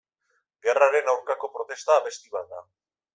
Gerraren aurkako protesta abesti bat da.